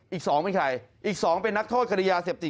อีก๒เป็นใครอีก๒เป็นนักโทษคดียาเสพติด